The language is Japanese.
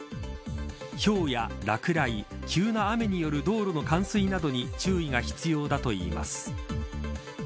ひょうや落雷急な雨による道路の冠水などに注意が必要だといいます。